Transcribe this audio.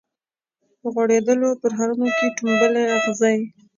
په غوړیدولو پرهرونو کي ټومبلي اغزي